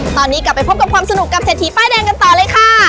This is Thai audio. ตอนนี้กลับไปพบกับความสนุกกับเศรษฐีป้ายแดงกันต่อเลยค่ะ